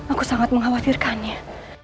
aku sangat mengkhawatirkannya